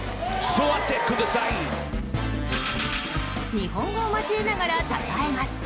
日本語を交えながらたたえます。